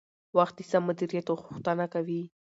وخت د سم مدیریت غوښتنه کوي